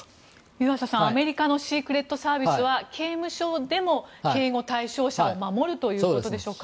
湯浅さん、アメリカのシークレットサービスは刑務所でも警護対象者守るということでしょうか。